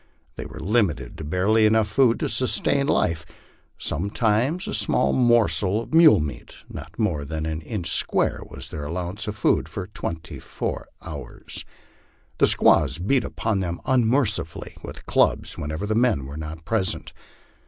They were limited to barely enough food to sustain life; some times a small morsel of mule meat, not more than an inch square, was their allowance of food for twenty four hours. The squaws beat them unmercifully with clubs whenever the men were not present.